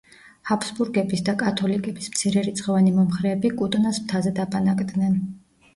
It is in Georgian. ჰაბსბურგების და კათოლიკების მცირერიცხოვანი მომხრეები კუტნას მთაზე დაბანაკდნენ.